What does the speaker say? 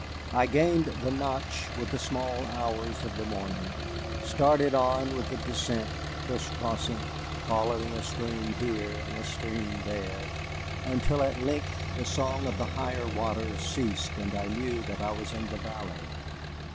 I gained the notch with the small hours of the morning, started on with the descent, crisscrossing, following a stream here and a stream there, until at length the song of the higher waters ceased and I knew that I was in the valley.